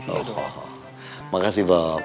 oh makasih bob